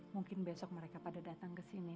mungkin besok mereka pada datang kesini